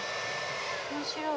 面白い。